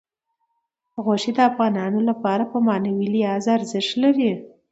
غوښې د افغانانو لپاره په معنوي لحاظ ارزښت لري.